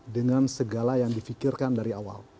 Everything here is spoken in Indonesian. dengan segala yang difikirkan dari awal